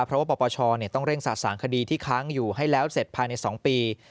เพราะว่าปปชต้องเร่งสะสางคดีที่ค้างอยู่ให้แล้วเสร็จภายใน๒ปี